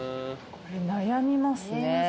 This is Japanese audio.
これ悩みますね。